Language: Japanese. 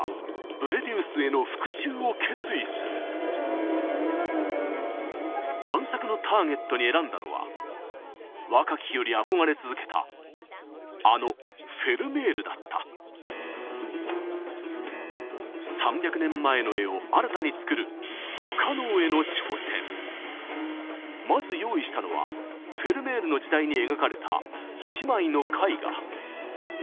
ブレディウスへの復讐を決意する贋作のターゲットに選んだのは若き日より憧れ続けたあのフェルメールだった３００年前の絵を新たに作るまず用意したのはフェルメールの時代に描かれた１枚の絵画